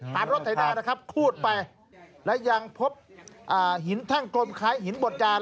รถไถนานะครับครูดไปและยังพบหินแท่งกลมคล้ายหินบดยาน